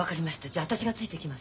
じゃあ私がついていきます。